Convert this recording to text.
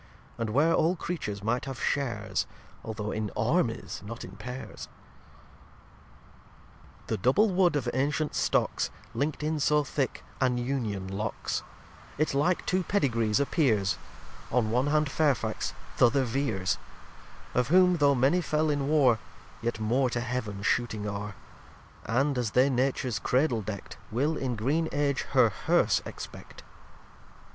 And where all Creatures might have shares, Although in Armies, not in Paires. lxii The double Wood of ancient Stocks Link'd in so thick, an Union locks, It like two Pedigrees appears, On one hand Fairfax, th' other Veres: Of whom though many fell in War, Yet more to Heaven shooting are: And, as they Natures Cradle deckt, Will in green Age her Hearse expect.